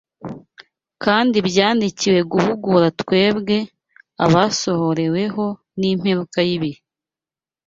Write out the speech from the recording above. kandi byandikiwe kuduhugura twebwe abasohoreweho n’imperuka y’ibihe”